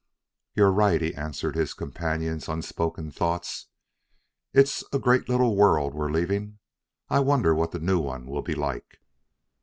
"You're right," he answered his companion's unspoken thoughts; "it's a great little old world we're leaving. I wonder what the new one will be like."